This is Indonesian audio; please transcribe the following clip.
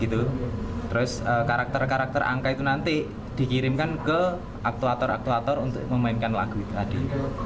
terus karakter karakter angka itu nanti dikirimkan ke aktuator aktuator untuk memainkan lagu itu tadi